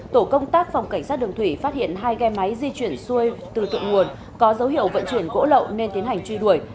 tổ công tác phòng cảnh sát đường thủy phát hiện hai ghe máy di chuyển xuôi từ thượng nguồn có dấu hiệu vận chuyển gỗ lậu nên tiến hành truy đuổi